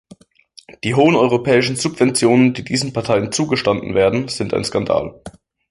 Die hohen europäischen Subventionen, die diesen Parteien zugestanden werden, sind ein Skandal.